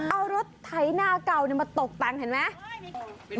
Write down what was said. เอารถไถนาเก่ามาตกแต่งเห็นไหม